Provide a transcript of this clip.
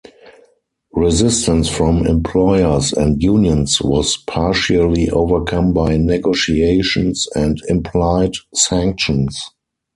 Resistance from employers and unions was partially overcome by negotiations and implied sanctions.